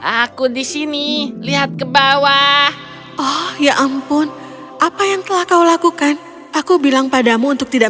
aku disini lihat ke bawah oh ya ampun apa yang telah kau lakukan aku bilang padamu untuk tidak